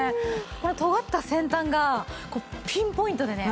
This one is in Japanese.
これとがった先端がこうピンポイントでね。